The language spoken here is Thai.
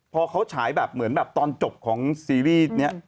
พอเขาฉายแบบเหมือนแบบตอนจบของซีรีส์นี้